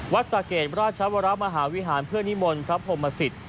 สะเกดราชวรมหาวิหารเพื่อนิมนต์พระพรหมสิต